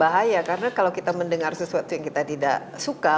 bahaya karena kalau kita mendengar sesuatu yang kita tidak suka